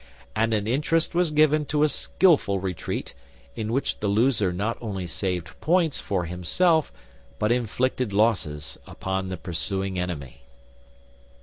And an interest was given to a skilful retreat, in which the loser not only saved points for himself but inflicted losses upon the pursuing enemy.